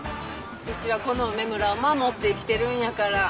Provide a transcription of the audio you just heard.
うちはこの梅むらを守って生きてるんやから。